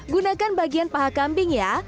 gunakan bagian paha kambing ya